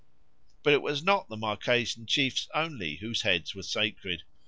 But it was not the Marquesan chiefs only whose heads were sacred.